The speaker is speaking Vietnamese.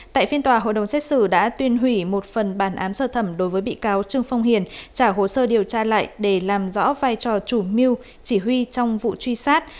tại phiên tòa hội đồng xét xử đã tuyên hủy một phần bản án sơ thẩm đối với bị cáo trương phong hiền trả hồ sơ điều tra lại để làm rõ vai trò chủ mưu chỉ huy trong vụ truy sát